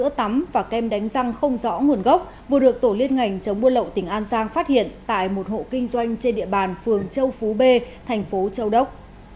sữa tắm và kem đánh răng không rõ nguồn gốc vừa được tổ liên ngành chống buôn lậu tỉnh an giang phát hiện tại một hộ kinh doanh trên địa bàn phường châu phú b thành phố châu đốc